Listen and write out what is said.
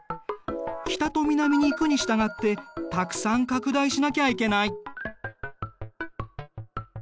北と南に行くに従ってたくさん拡大しなきゃいけない。